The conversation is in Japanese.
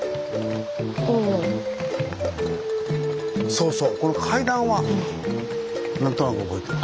そうそうこの階段はなんとなく覚えてる。